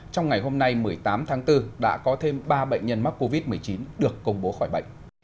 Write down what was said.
trong ngày hôm nay một mươi tám tháng bốn đã có thêm ba bệnh nhân mắc covid một mươi chín được công bố khỏi bệnh